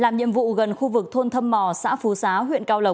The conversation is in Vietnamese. làm nhiệm vụ gần khu vực thôn thâm mò xã phú xá huyện cao lộc